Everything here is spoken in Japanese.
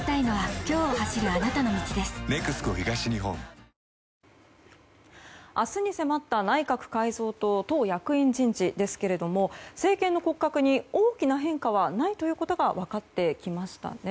ハイクラスカードはダイナースクラブ明日に迫った内閣改造と党役員人事ですけれども政権の骨格に大きな変化はないということが分かってきました。